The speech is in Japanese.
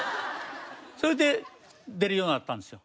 それで出るようになったんですよ。